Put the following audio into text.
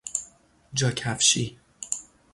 جاکفشی